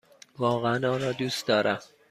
واقعا آن را دوست دارم!